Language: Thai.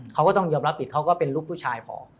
เขาก็ต้องยอมรับผิดเขาก็เป็นลูกผู้ชายพอ